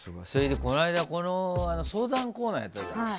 この間、相談コーナーやったじゃん？